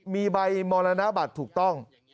มีใบมรณบัตรถูกต้อง